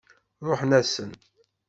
Ṛuḥen-asen.